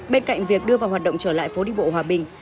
bên cạnh việc đưa vào hoạt động trở lại phố đi bộ hòa bình